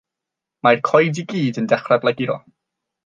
Mae'r coed i gyd yn dechrau blaguro.